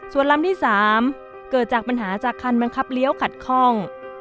ส่วนลำที่๓เกิดจากปัญหาจากคันบังคับเลี้ยวขัดคล่อง